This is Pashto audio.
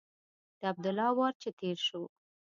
د عبدالله وار چې تېر شو.